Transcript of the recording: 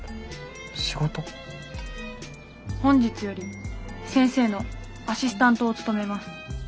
本日より先生のアシスタントを務めます。